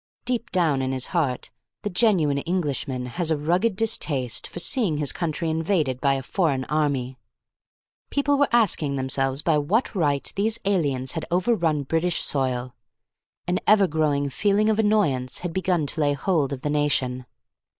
Deep down in his heart the genuine Englishman has a rugged distaste for seeing his country invaded by a foreign army. People were asking themselves by what right these aliens had overrun British soil. An ever growing feeling of annoyance had begun to lay hold of the nation.